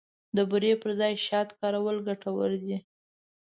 د بوري پر ځای شات کارول ګټور دي.